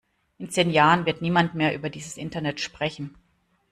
In zehn Jahren wird niemand mehr über dieses Internet sprechen!